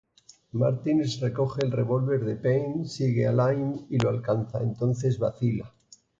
Martins recoge el revólver de Paine, sigue a Lime y lo alcanza; entonces vacila.